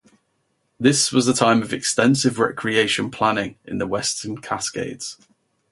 This was a time of extensive recreation planning in the western Cascades.